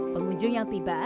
pengunjung yang tiba